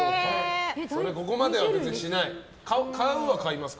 ここまでは別にしない？